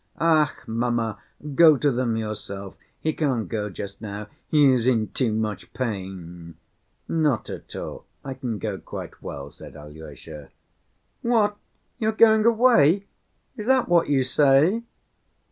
"Ach, mamma, go to them yourself. He can't go just now, he is in too much pain." "Not at all, I can go quite well," said Alyosha. "What! You are going away? Is that what you say?"